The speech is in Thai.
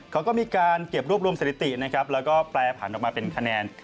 เขาก็มีการเก็บรวบรวมสถิตินะครับแล้วก็แปรผันออกมาเป็นคะแนน